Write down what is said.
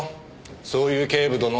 そういう警部殿は？